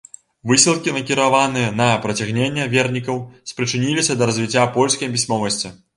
Высілкі, накіраваныя на прыцягненне вернікаў, спрычыніліся да развіцця польскай пісьмовасці.